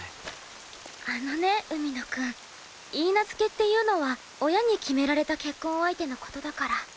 あのね海野くん許嫁っていうのは親に決められた結婚相手の事だから。